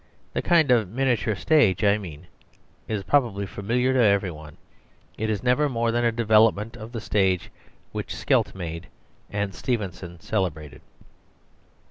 The kind of miniature stage I mean is probably familiar to every one; it is never more than a development of the stage which Skelt made and Stevenson celebrated.